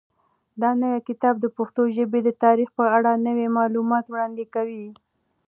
دا نوی کتاب د پښتو ژبې د تاریخ په اړه نوي معلومات وړاندې کوي.